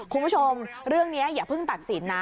คุณผู้ชมเรื่องนี้อย่าเพิ่งตัดสินนะ